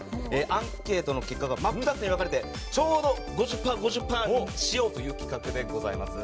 アンケートの結果が真っ二つに分かれてちょうど５０％５０％にしようという企画でございます。